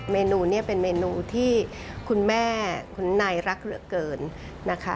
เมนูนี้เป็นเมนูที่คุณแม่คุณนายรักเหลือเกินนะคะ